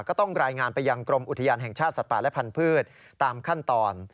ก็ต้องรายงานไปยังกรมอุทยานแห่งชาติสัตว์ป่าและพันธุ์ตามขั้นตอน